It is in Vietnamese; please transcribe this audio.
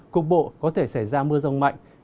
cục bộ có thể xảy ra mưa rào trong ba ngày tới